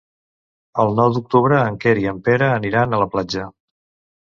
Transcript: El nou d'octubre en Quer i en Pere aniran a la platja.